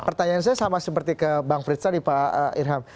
pertanyaan saya sama seperti ke bang fritsari pak irham